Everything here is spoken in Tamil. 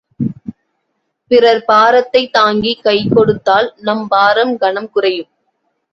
பிறர் பாரத்தைத் தாங்கிக் கைகொடுத்தால் நம் பாரம் கனம் குறையும்.